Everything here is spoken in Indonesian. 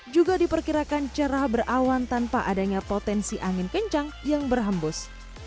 juga diperkirakan cerah berawan tanpa adanya potensi angin kencang yang berhembus